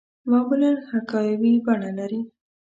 معمولاً حکایوي بڼه لري.